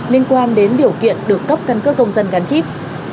liên quan đến điều kiện được cấp căn cước công dân gắn chip